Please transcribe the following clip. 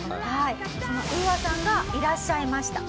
そのＵＡさんがいらっしゃいました。